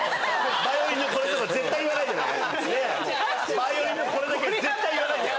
バイオリンのこれだけは絶対言わないでよ！